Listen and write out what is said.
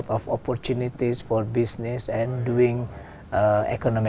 được phát triển đối với